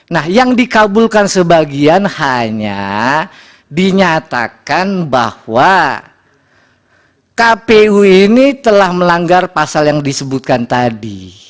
nah yang dikabulkan sebagian hanya dinyatakan bahwa kpu ini telah melanggar pasal yang disebutkan tadi